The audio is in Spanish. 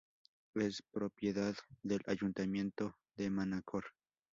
Es propiedad del ayuntamiento de Manacor.